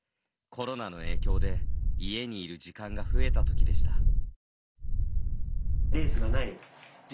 コロナの影響で家にいる時間が増えたときでした。